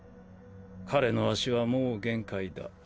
彼の足はもう限界だ。